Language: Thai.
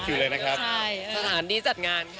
สถานดีจัดงาน